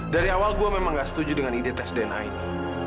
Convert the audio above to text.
dari awal gue memang gak setuju dengan ide tes dna ini